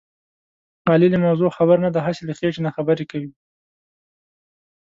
علي له موضوع خبر نه دی. هسې له خېټې نه خبرې کوي.